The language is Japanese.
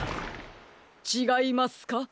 ちがいますか！？